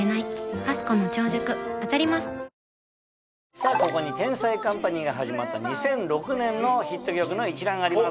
さぁここに『天才‼カンパニー』が始まった２００６年のヒット曲の一覧があります。